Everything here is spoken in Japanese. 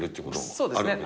そうですね。